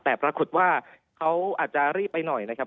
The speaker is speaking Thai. แต่ปรากฏว่าเขาอาจจะรีบไปหน่อยนะครับ